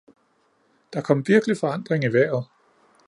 Der kom virkelig forandring i vejret.